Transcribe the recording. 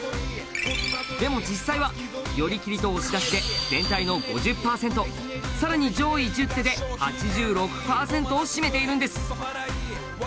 でも、実際は寄り切りと押し出しで全体の５０％さらに上位１０手で８６％を占めているんです。